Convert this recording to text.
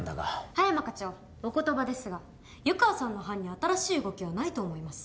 葉山課長お言葉ですが湯川さんの班に新しい動きはないと思います。